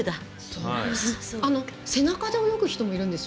背中で泳ぐ方もいるんですよ